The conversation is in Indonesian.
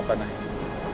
apa yang terjadi pak